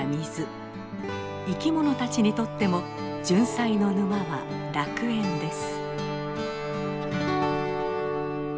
生きものたちにとってもジュンサイの沼は楽園です。